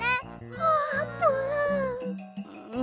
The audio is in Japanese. あーぷん！